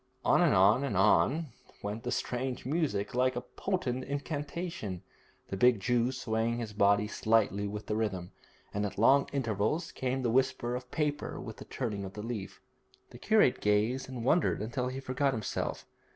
On and on and on went the strange music, like a potent incantation, the big Jew swaying his body slightly with the rhythm, and at long intervals came the whisper of paper with the turning of the leaf. The curate gazed and wondered until he forgot himself.